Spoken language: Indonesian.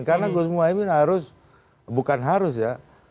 karena gus muhaymin harus bukan harus ya